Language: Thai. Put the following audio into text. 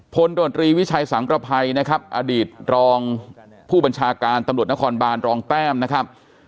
โดดรีวิชัยสังประภัยนะครับอดีตรองผู้บัญชาการตำรวจนครบานรองแต้มนะครับ